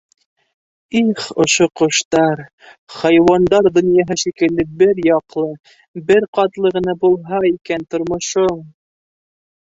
Их, ошо ҡоштар, хайуандар донъяһы шикелле бер яҡлы, бер ҡатлы ғына булһа икән тормошоң...